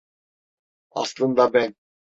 Aslında, ben…